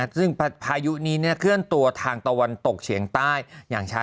ซึ่งพายุนี้เคลื่อนตัวทางตะวันตกเฉียงใต้อย่างช้า